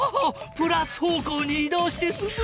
プラス方向にい動して進む。